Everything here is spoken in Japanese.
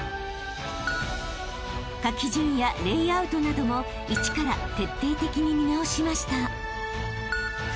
［書き順やレイアウトなども一から徹底的に見直しました］